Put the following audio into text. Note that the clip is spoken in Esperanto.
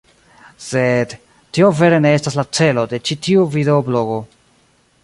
Sed... tio vere ne estas la celo de ĉi tiu videoblogo.